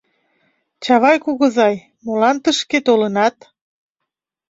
Чавай кугызай, молан тышке толынат?